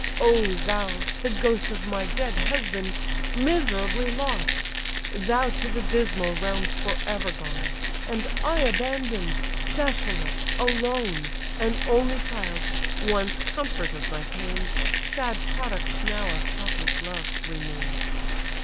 —O thou, the ghost Of my dead husband! miserably lost! Thou to the dismal realms for ever gone! And I abandon'd, desolate, alone! An only child, once comfort of my pains, Sad product now of hapless love, remains!